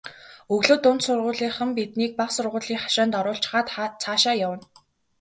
Өглөө дунд сургуулийнхан биднийг бага сургуулийн хашаанд оруулчихаад цаашаа явна.